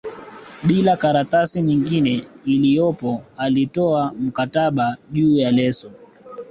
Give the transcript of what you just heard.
bila karatasi nyingine iliyopo alitoa mkataba juu ya leso